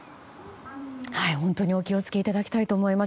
本当にお気を付けいただきたいと思います。